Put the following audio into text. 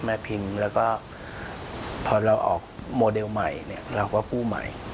พิมพ์แล้วก็พอเราออกโมเดลใหม่เนี่ยเราก็กู้ใหม่